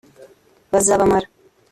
bazabamara